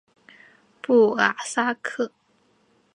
布拉萨克。